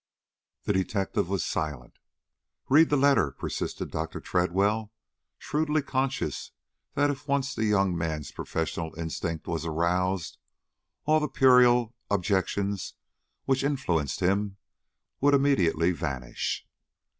The detective was silent. "Read the letter," persisted Dr. Tredwell, shrewdly conscious that if once the young man's professional instinct was aroused, all the puerile objections which influenced him would immediately vanish.